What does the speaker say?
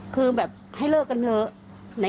คือแบบให้เลิกกันเถอะ